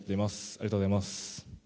ありがとうございます。